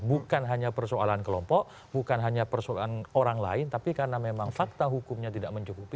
bukan hanya persoalan kelompok bukan hanya persoalan orang lain tapi karena memang fakta hukumnya tidak mencukupi